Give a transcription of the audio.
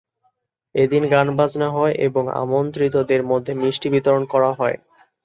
এদিন গান-বাজনা হয় এবং আমন্ত্রিতদের মধ্যে মিষ্টি বিতরণ করা হয়।